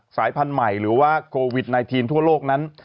สายพันธุ์ใหม่หรือว่าโควิด๑๙ทั่วโลกนั้น